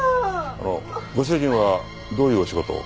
あのご主人はどういうお仕事を？